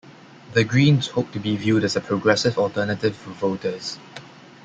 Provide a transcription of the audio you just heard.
The Greens hoped to be viewed as a progressive alternative for voters.